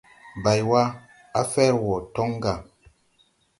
Baywa, a fer wo toŋ ga.